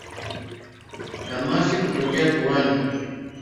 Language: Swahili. Kamasi kutokea puani